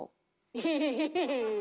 ウフフフフ。